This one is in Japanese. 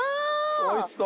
おいしそう。